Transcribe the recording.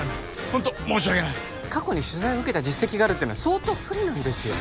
ホント申し訳ない過去に取材を受けた実績があるっていうのは相当不利なんですよ